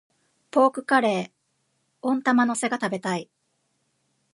ポークカレー、温玉乗せが食べたい。